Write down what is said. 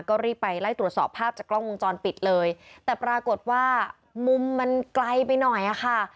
ก็รีบไปไล่ตรวจสอบภาพจากกล้องวงจรปิดเลยแต่ปรากฏว่ามุมมันไกลไปหน่อยอ่ะค่ะ